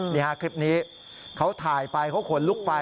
นี่ฮะคลิปนี้เขาถ่ายไปเขาขนลุกไป